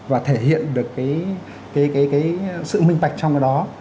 và thể hiện được cái sự minh bạch trong cái đó